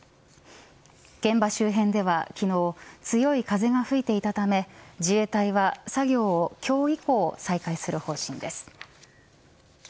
現場周辺では昨日強い風が吹いていたため自衛隊は作業を今日以降再開する方針です。